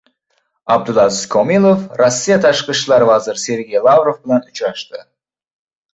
Abdulaziz Komilov Rossiya tashqi ishlar vaziri Sergey Lavrov bilan uchrashdi